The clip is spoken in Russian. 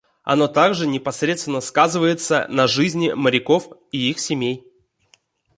Оно также непосредственно сказывается на жизни моряков и их семей.